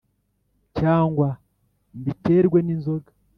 cyangwa mbiterwe n’inzoga